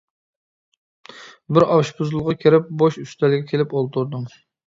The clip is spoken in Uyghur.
بىر ئاشپۇزۇلغا كىرىپ، بوش ئۈستەلگە كېلىپ ئولتۇردۇم.